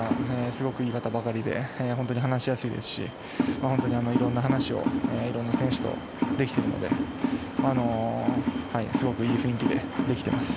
すごくいい方ばかりで本当に話しやすいですし色んな話を色んな選手とできているのですごくいい雰囲気でできています。